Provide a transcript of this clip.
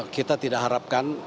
kita tidak harapkan